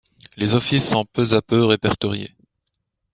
Les offices sont peu à peu répertoriés.